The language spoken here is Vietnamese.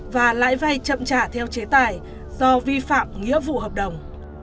và lãi vay chậm trả theo chế tài do vi phạm nghĩa vụ hợp đồng